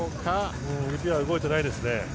動いてないですね。